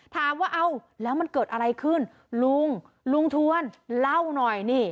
ถามว่าเอาแล้วมันเกิดอะไรขึ้นลุงลุงทวนเล่าหน่อยนี่